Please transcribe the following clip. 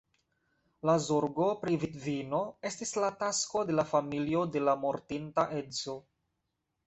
La zorgo pri vidvino estis la tasko de la familio de la mortinta edzo.